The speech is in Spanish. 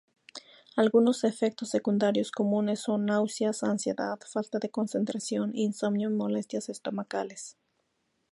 Algunos efectos secundarios comunes son: náuseas, ansiedad, falta de concentración, insomnio y molestias estomacales.